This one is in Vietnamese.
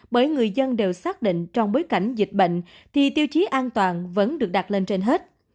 bởi người dân đều xác định trong bối cảnh dịch bệnh thì tiêu chí an toàn vẫn được đặt lên trên hết